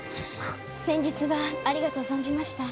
先日はありがとう存じました。